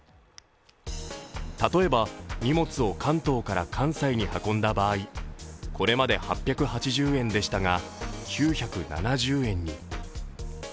例えば荷物を関東から関西に運んだ場合、これまで８８０円でしたが、９７０円に。